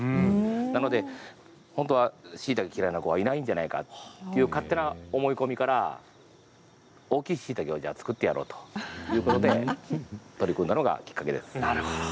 なので本当は、しいたけ嫌いな子はいないんじゃないかという勝手な思い込みから大きいしいたけをじゃあ作ってやろうということで取り組んだのがきっかけです。